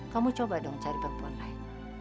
kamu coba dong cari perempuan lain